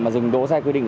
mà rừng đỗ xe quy định